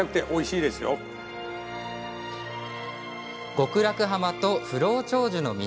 極楽浜と、不老長寿の水。